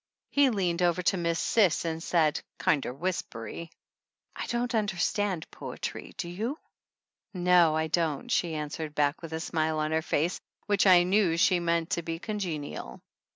He leaned over to Miss Cis and said, kinder whispery : "I don't understand poetry, do you ?" "No, I don't," she answered back, with a smile on her face which I knew she meant to be "con genial."